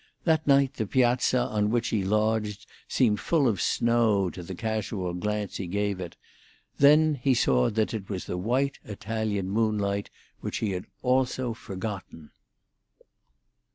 That night the piazza on which he lodged seemed full of snow to the casual glance he gave it; then he saw that it was the white Italian moonlight, which he had also forgotten....